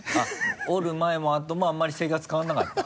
折る前もあともあんまり生活変わらなかった？